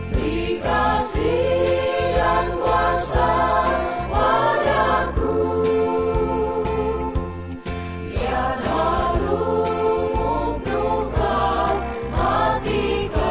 mawasyaro oh mawasyaro biar harumu buka hatiku